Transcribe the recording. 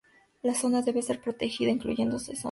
La zona debe ser protegida, incluyendo las zonas agrícolas.